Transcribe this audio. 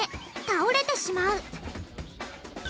倒れてしまう。